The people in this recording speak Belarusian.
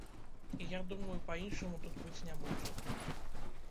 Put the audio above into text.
І я думаю, па-іншаму тут быць не можа.